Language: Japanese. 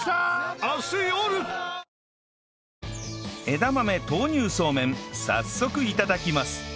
枝豆豆乳そうめん早速頂きます